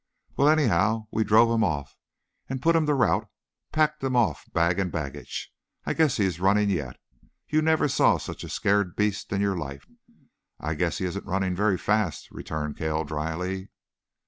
"Well, anyhow, we drove him off, put him to rout, packed him off bag and baggage. I guess he is running yet. You never saw such a scared beast in your life." "I guess he isn't running very fast," returned Cale dryly.